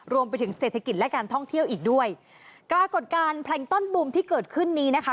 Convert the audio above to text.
รวมไปถึงเศรษฐกิจและการท่องเที่ยวอีกด้วยปรากฏการณ์แพลงต้อนบูมที่เกิดขึ้นนี้นะคะ